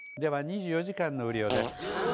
では２４時間の雨量です。